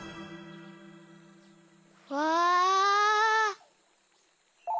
わあ！